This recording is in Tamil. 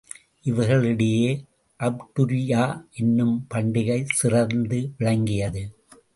இவர்களிடையே அப்டுரியா என்னும் பண்டிகை சிறந்து விளங்கியது.